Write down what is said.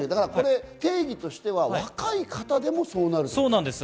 定義としては若い方でもそうなるっていうね。